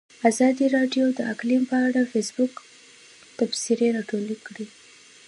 ازادي راډیو د اقلیم په اړه د فیسبوک تبصرې راټولې کړي.